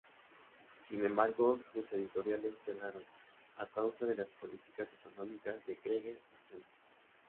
Sin embargo, sus editoriales quebraron a causa de las políticas económicas de Krieger Vasena.